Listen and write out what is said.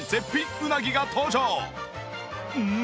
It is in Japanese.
うん！